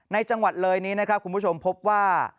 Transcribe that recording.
จังหวัดเลยนี้นะครับคุณผู้ชมพบว่า